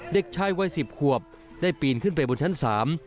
เด็กชายวัยสิบขวบได้ปีนขึ้นไปบนชั้นสาม